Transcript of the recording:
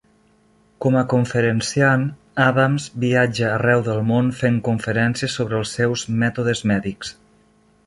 Com a conferenciant, Adams viatja arreu del món fent conferències sobre els seus mètodes mèdics.